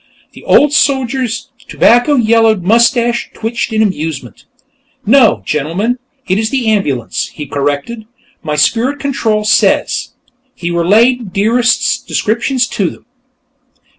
The old soldier's tobacco yellowed mustache twitched with amusement. "No, gentlemen, it is the ambulance," he corrected. "My spirit control says...." He relayed Dearest's descriptions to them.